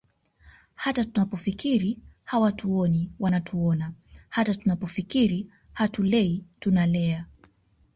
Hata tunapofikiri hawatuoni wanatuona hata tunapofikiri hatulei tunalea